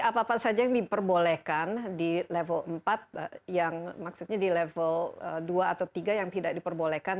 apa apa saja yang diperbolehkan di level empat yang maksudnya di level dua atau tiga yang tidak diperbolehkan